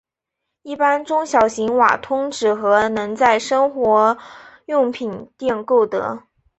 一般中小型瓦通纸盒能在生活用品店购得。